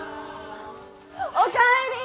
おかえり！